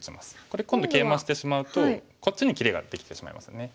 これ今度ケイマしてしまうとこっちに切りができてしまいますね。